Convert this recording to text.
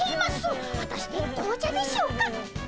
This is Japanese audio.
はたして紅茶でしょうか？